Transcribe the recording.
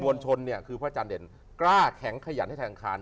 บวนชนเนี่ยคือพระจันทร์เด่นกล้าแข็งขยันให้แข็งขาล